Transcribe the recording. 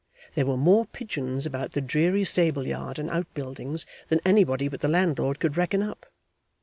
There were more pigeons about the dreary stable yard and out buildings than anybody but the landlord could reckon up.